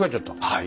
はい。